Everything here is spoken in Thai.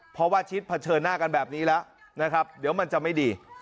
เพราะว่าชิดเผชิญหน้ากันแบบนี้แล้วนะครับเดี๋ยวมันจะไม่ดี